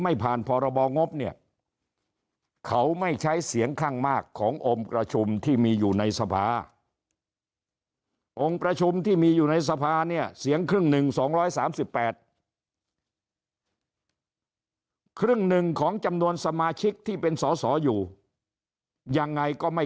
ยังไงก็ไม่เกินครึ่ง